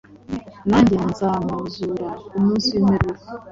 Nanjye nzamuzura ku munsi w’imperuka.”